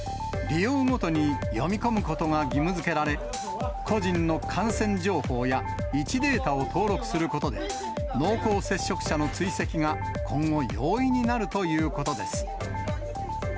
利用ごとに読み込むことが義務づけられ、個人の感染情報や位置データを登録することで、濃厚接触者の追跡が今後、容易になるということです。